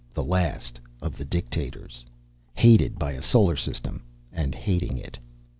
The last of the dictators. Hated by a solar system, and hating it.